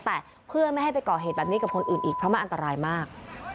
แต่เพื่อไม่ให้ไปก่อเหตุแบบนี้กับคนอื่นอีกเพราะมันอันตรายมาก